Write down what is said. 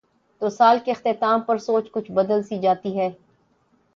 تو سال کے اختتام پر سوچ کچھ بدل سی جاتی ہے۔